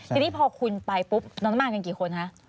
ทีนี้พอคุณไปปุ๊บน้องน้ำมากันกี่คนคะ